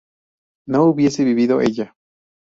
¿no hubiese vivido ella?